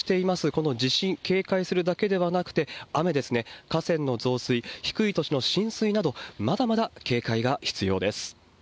この地震、警戒するだけではなくて、雨ですね、河川の増水、低い土地の浸水など、まだまだ警戒が必要です。